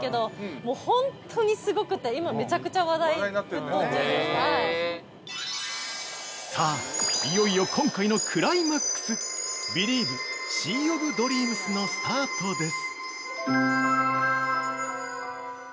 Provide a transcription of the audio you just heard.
もう、ほんとにすごくて今めちゃくちゃ話題◆さあ、いよいよ今回のクライマックス、「ビリーヴ！シー・オブ・ドリームス」のスタートです！